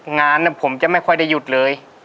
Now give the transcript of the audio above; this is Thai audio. งานผมจะไม่ค่อยได้หยุดเลย